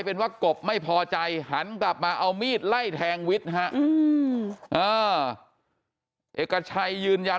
เป็นว่ากบไม่พอใจหันกลับมาเอามีดไล่แทงวิทย์ฮะเอกชัยยืนยัน